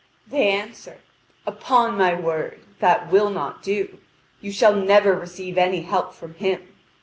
They answer: "Upon my word that will not do; you shall never receive any help from him.